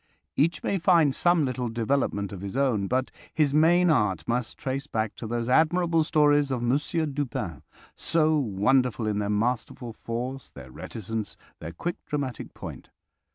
_" Each may find some little development of his own, but his main art must trace back to those admirable stories of Monsieur Dupin, so wonderful in their masterful force, their reticence, their quick dramatic point.